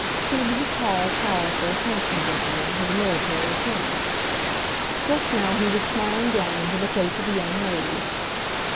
He was a tall, powerful, handsome gentleman, with a military appearance. Just now he was smiling down into the face of a young lady.